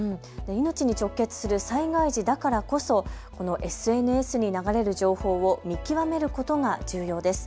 命に直結する災害時だからこそ、このＳＮＳに流れる情報を見極めることが重要です。